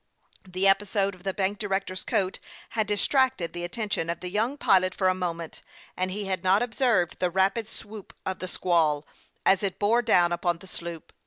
The episode of the bank director's coat had distracted the attention of the young pilot for a moment, and he had not observed the rapid swoop of the squall, as it bore down upon the sloop.